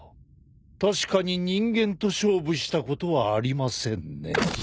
確かに人間と勝負したことはありませんねぇ。